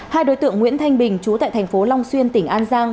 hai đối tượng nguyễn thanh bình chú tại thành phố long xuyên tỉnh an giang